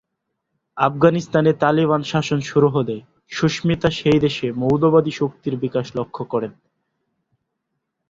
আফগানিস্তানে তালিবান শাসন শুরু হলে, সুস্মিতা সেই দেশে মৌলবাদী শক্তির বিকাশ লক্ষ্য করেন।